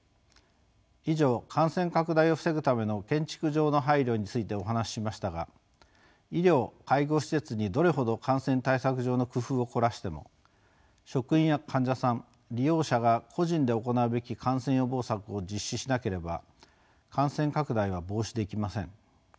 以上感染拡大を防ぐための建築上の配慮についてお話ししましたが医療・介護施設にどれほど感染対策上の工夫を凝らしても職員や患者さん利用者が個人で行うべき感染予防策を実施しなければ感染拡大は防止できません。